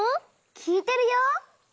きいてるよ。